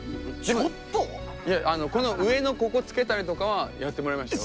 この上のここ付けたりとかはやってもらいましたよ。